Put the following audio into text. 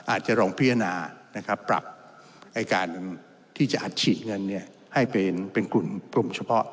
อาจจะลองพิจารณาปรับการที่จะอัดฉีดเงินให้เป็นกลุ่มเฉพาะ